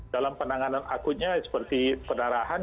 dalam penanganan akutnya seperti pendarahan